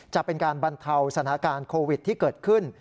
จะเป็นการบรรเทาสถานการณ์โควิดที่เกิดขึ้น